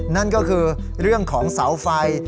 นั่นก็คือเรื่องของเสาไฟ